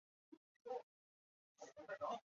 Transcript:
佐藤麻美服务。